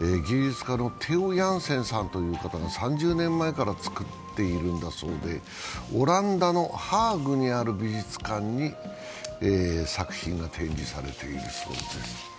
芸術家のテオ・ヤンセンさんという方が３０年前から作っているんだそうで、オランダのハーグにある美術館に作品が展示されているそうです。